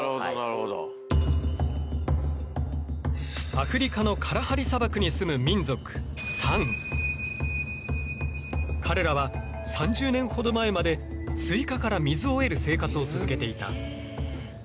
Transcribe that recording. アフリカのカラハリ砂漠に住む民族彼らは３０年ほど前までスイカから水を得る生活を続けていた。